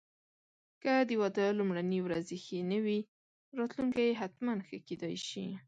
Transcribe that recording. که د واده لومړني ورځې ښې نه وې، راتلونکی حتماً ښه کېدای شي.